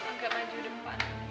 agak maju depan